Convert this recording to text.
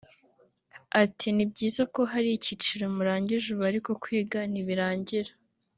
Ati “Ni byiza ko hari icyiciro murangije ubu ariko kwiga ntibirangira